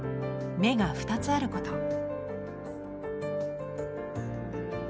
「目が２つあること」。